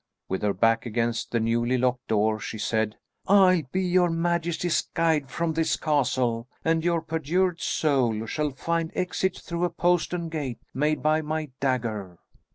With her back against the newly locked door, she said, "I'll be your majesty's guide from this castle, and your perjured soul shall find exit through a postern gate made by my dagger!"